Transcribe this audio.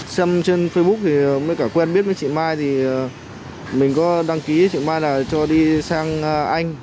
xem trên facebook thì mới cả quen biết với chị mai thì mình có đăng ký chị mai là cho đi sang anh